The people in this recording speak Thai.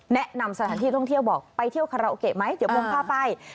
แนะนำสถานที่ท่องเที่ยวบอกไปเที่ยวคาราโอเกะไหมเดี๋ยวผมพาไป